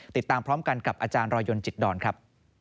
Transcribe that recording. ติดตามพร้อมกันกับอาจารย์รอยนจิตดอนครับ